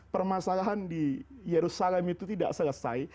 permasalahan di yerusalem itu tidak selesai